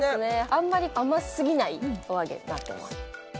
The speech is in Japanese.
あんまり甘すぎないお揚げになっています。